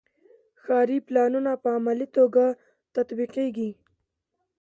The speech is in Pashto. ښاري پلانونه په عملي توګه تطبیقیږي.